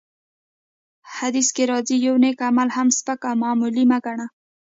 حديث کي راځي : يو نيک عمل هم سپک او معمولي مه ګڼه!